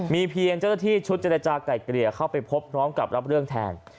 มีเพียงเจ้าหน้าที่ชุดเจรจาไก่เกลี่ยเข้าไปพบพร้อมกับรับเรื่องแทน